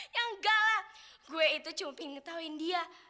ya enggak lah gue itu cuma ingin ketahuin dia